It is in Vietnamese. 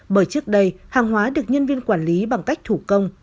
bởi trước đây hàng hóa được nhân viên quản lý bằng cách thủ công